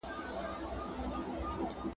فاضله ښار د نېکمرغه ټولني بېلګه ده.